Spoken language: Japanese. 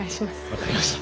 分かりました。